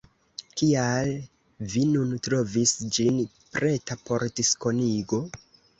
Kial vi nun trovis ĝin preta por diskonigo?